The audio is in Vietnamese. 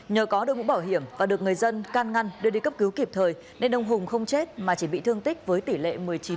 nhờ có đồng mũ bảo hiểm và được người dân can ngăn đưa đi cấp cứu kịp thời nên ông hùng không chết mà chỉ bị thương tích với tỷ lệ một mươi chín